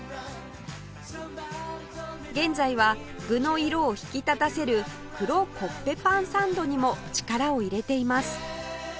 現在は具の色を引き立たせる黒コッペパンサンドにも力を入れています